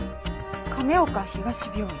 亀岡東病院。